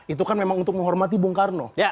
itu kan memang untuk menghormati bung karno